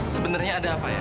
sebenernya ada apa ya